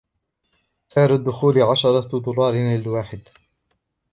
سعر الدخول عشرة دولارات للشخص الواحد.